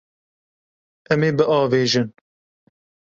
Em ê biavêjin.